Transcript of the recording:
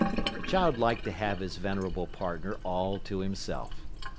The child liked to have his venerable partner all to himself.